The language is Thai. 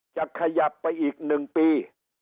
จะขยับไปอีก๑ปี